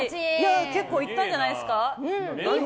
結構いったんじゃないですか。